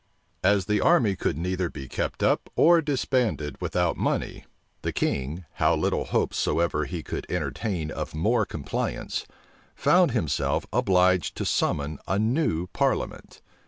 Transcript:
As the army could neither be kept up nor disbanded without money, the king, how little hopes soever he could entertain of more compliance, found himself obliged to summon a new parliament.